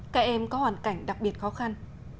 các em có hoàn cảnh đặc biệt khó khăn